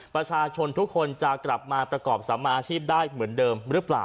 ประชาชนทุกคนจะกลับมาประกอบสมาอาชีพได้เหมือนเดิมหรือเปล่า